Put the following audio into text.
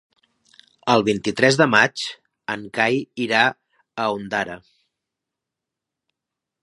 El vint-i-tres de maig en Cai irà a Ondara.